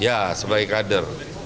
ya sebagai kader